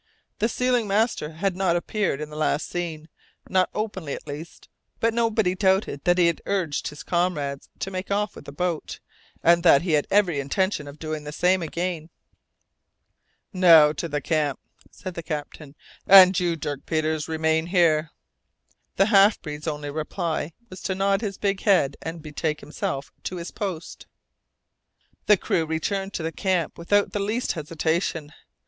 The sealing master had not appeared in the last scene, not openly at least, but nobody doubted that he had urged his comrades to make off with the boat, and that he had every intention of doing the same again. "Now to the camp," said the captain, "and you, Dirk Peters, remain here!" The half breed's only reply was to nod his big head and betake himself to his post. The crew returned to the camp without the least hesitation.